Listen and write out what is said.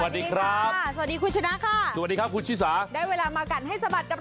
สวัสดีครับสวัสดีคุณชนะค่ะสวัสดีครับคุณชิสาได้เวลามากัดให้สะบัดกับเรา